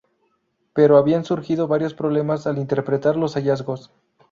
Pero habían surgido varios problemas al interpretar los hallazgos.